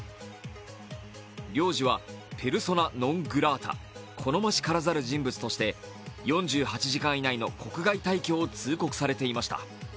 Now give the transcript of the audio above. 領事はペルソナ・ノン・グラータ＝好ましからざる人物として４８時間以内の国外退去を通告されていました。